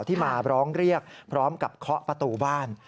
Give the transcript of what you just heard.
ที่มาร้องเรียกพร้อมกับเคาะประตูบ้าน